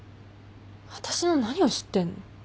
私の何を知ってんの？